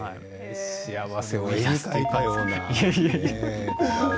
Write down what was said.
幸せを絵に描いたような。